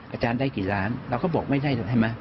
อาจารย์ได้กี่ล้านเราก็บอกไม่ใช่ใช่ไหม